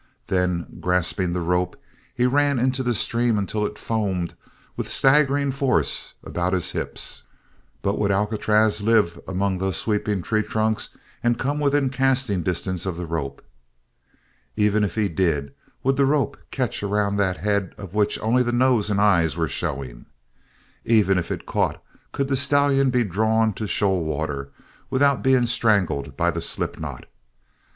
Then, grasping the rope, he ran into the stream until it foamed with staggering force about his hips. But would Alcatraz live among those sweeping treetrunks and come within casting distance of the rope? Even if he did, would the rope catch around that head of which only the nose and eyes were showing? Even if it caught could the stallion be drawn to shoal water without being strangled by the slip knot?